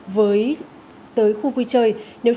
với tới khu vui chơi